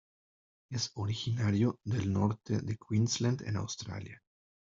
Es originario del norte de Queensland en Australia.